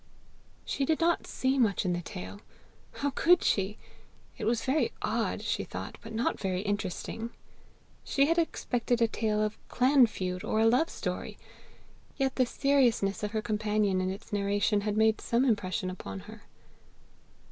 She did not see much in the tale: how could she? It was very odd, she thought, but not very interesting. She had expected a tale of clan feud, or a love story! Yet the seriousness of her companion in its narration had made some impression upon her.